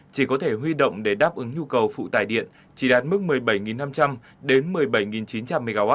chỉ có thể huy động để đáp ứng nhu cầu phụ tải điện chỉ đạt mức một mươi bảy năm trăm linh đến một mươi bảy chín trăm linh mw